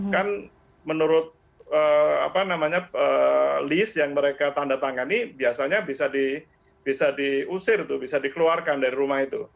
kan menurut list yang mereka tanda tangani biasanya bisa diusir bisa dikeluarkan dari rumah itu